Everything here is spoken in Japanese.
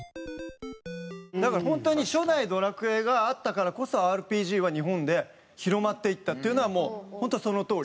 だからホントに初代『ドラクエ』があったからこそＲＰＧは日本で広まっていったっていうのはもうホントそのとおり。